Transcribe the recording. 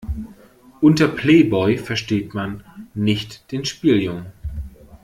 Unter Playboy versteht man nicht den Spieljungen.